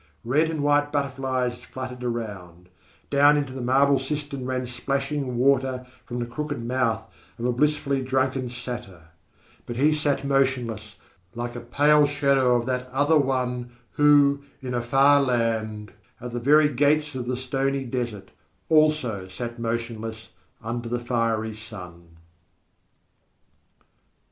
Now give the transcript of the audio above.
Red and white butterflies fluttered around; down into the marble cistern ran splashing water from the crooked mouth of a blissfully drunken Satyr; but he sat motionless, like a pale shadow of that other one who, in a far land, at the very gates of the stony desert, also sat motionless under the fiery sun.